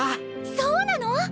そうなの！？